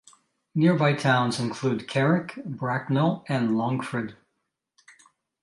Nearby towns include Carrick, Bracknell and Longford.